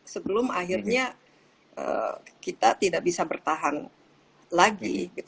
sebelum akhirnya kita tidak bisa bertahan lagi